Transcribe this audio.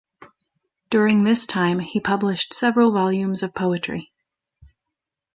During this time, he published several volumes of poetry.